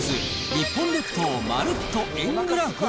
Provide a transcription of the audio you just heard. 日本列島まるっと円グラフ。